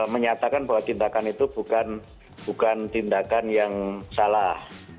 menyatakan bahwa tindakan itu bukan tindakan yang salah